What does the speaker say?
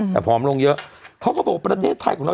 แต่พร้อมลงเยอะเขาก็บอกว่าประเทศไทยของเรา